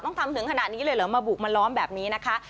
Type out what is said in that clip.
ต้องทำถึงขนาดนี้เลยเหรอมาบุกมาล้อมแบบนี้นะคะ